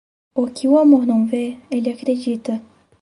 O que o amor não vê, ele acredita.